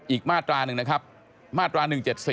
อีกมาตราหนึ่งนะครับมาตรา๑๗๔